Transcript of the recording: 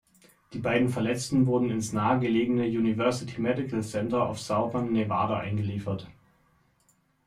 Die beiden Verletzten wurden ins nahe gelegene University Medical Center of Southern Nevada eingeliefert.